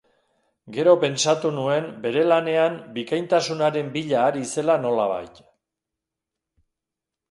Gero pentsatu nuen bere lanean bikaintasunaren bila ari zela nolabait.